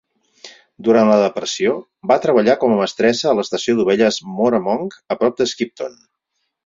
Durant la depressió, va treballar com a mestressa a l'estació d'ovelles Mooramong, a prop de Skipton.